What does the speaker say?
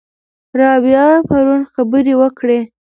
رابعه پرون خبرې وکړې.